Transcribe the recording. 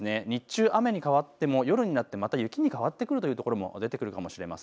日中、雨に変わっても夜になってまた雪に変わってくるところもあります。